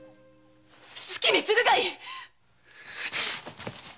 好きにするがいい！